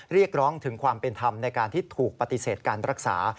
เรียกร้องถึงความเป็นธรรมในการที่ถูกปฏิเสธการรักษา